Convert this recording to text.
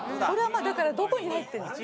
これはだからどこに入ってる？